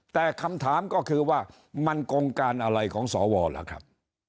แต่คำถามก็คือว่ามันกงการอะไรของสวล่ะครับ